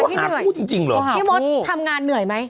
อันนี้พี่หาผู้จริงหรอกพี่มดทำงานเหนื่อยไหม